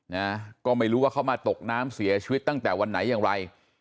นะก็ไม่รู้ว่าเขามาตกน้ำเสียชีวิตตั้งแต่วันไหนอย่างไร